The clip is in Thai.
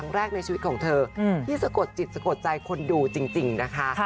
แรกในชีวิตของเธอที่สะกดจิตสะกดใจคนดูจริงนะคะ